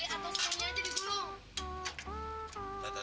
atau semuanya aja digulung